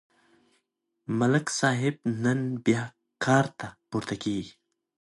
ملک صاحب نن بیا ډېر کارته پورته کېږي.